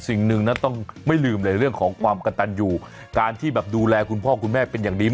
สิ่งหนึ่งนะต้องไม่ลืมเลยเรื่องของความกระตันอยู่การที่แบบดูแลคุณพ่อคุณแม่เป็นอย่างดี